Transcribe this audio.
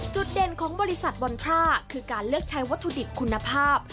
จุดเด่นของบริษัทบอนทราคือการเลือกใช้วัตถุดิบคุณภาพ